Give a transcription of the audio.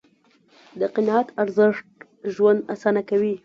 د قناعت ارزښت ژوند آسانه کوي.